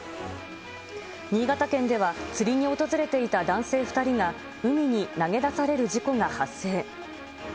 新潟県では釣りに訪れていた男性２人が、海に投げ出される事故が発生。